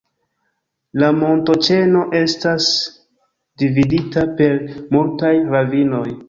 La montoĉeno estas dividata per multaj ravinoj.